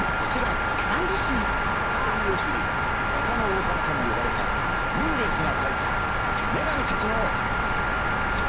画家の王様とも呼ばれたルーベンスが描いた女神たちのお尻。